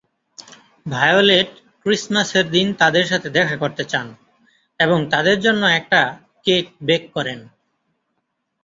Violet ক্রিসমাসের দিন তাদের সাথে দেখা করতে চান, এবং তাদের জন্য একটা কেক বেক করেন।